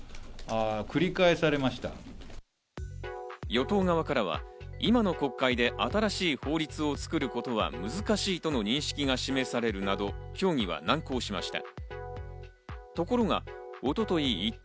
与党側からは今の国会で新しい法律を作ることは難しいとの認識が示されるなど、協議は難航しました。